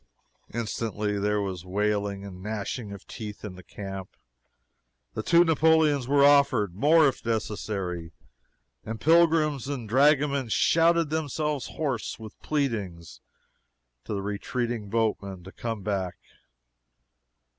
Instantly there was wailing and gnashing of teeth in the camp. The two Napoleons were offered more if necessary and pilgrims and dragoman shouted themselves hoarse with pleadings to the retreating boatmen to come back.